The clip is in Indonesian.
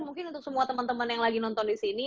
mungkin untuk semua teman teman yang lagi nonton disini